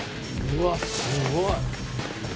うわっすごい！